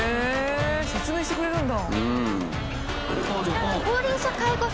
説明してくれるんだ。